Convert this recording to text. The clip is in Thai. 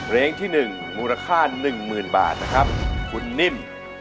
เพลงที่๑มูลค่า๑๐๐๐บาทนะครับคุณนิ่ม